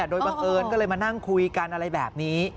โดยบังเอิญก็เลยมานั่งคุยกันอะไรแบบนี้